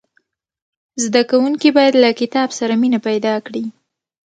زدهکوونکي باید له کتاب سره مینه پیدا کړي.